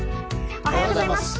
おはようございます。